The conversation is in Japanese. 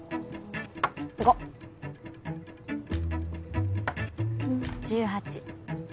５。１８。